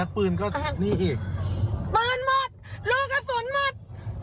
ปืนหมดลูกอสุนหมด